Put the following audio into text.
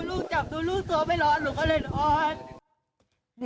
ลูกจับดูลูกตัวไม่ร้อนหนูก็เลยร้อน